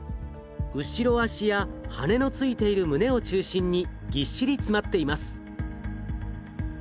後ろ足や羽のついている胸を中心にぎっしり詰まっています。